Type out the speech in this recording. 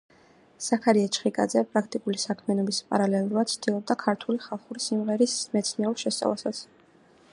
ზაქარია ჩხიკვაძე პრაქტიკული საქმიანობის პარალელურად ცდილობდა ქართული ხალხური სიმღერების მეცნიერულ შესწავლასაც.